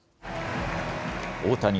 大谷。